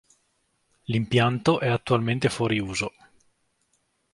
L'impianto è attualmente fuori uso.